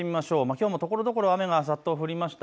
きょうもところどころ雨がざっと降りました。